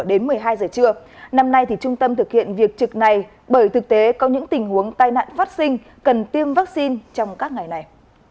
đến một mươi hai giờ trưa năm nay trung tâm thực hiện việc trực này bởi thực tế có những tình huống tai nạn phát sinh cần tiêm vaccine trong các ngày này